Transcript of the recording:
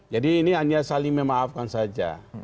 jadi ini hanya saling memaafkan saja